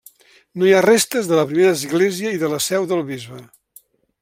No hi ha restes de la primera església i de la seu del bisbe.